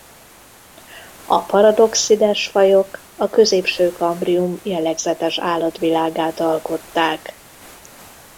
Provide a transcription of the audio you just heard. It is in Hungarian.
A Paradoxides-fajok a középső kambrium jellegzetes állatvilágát alkották.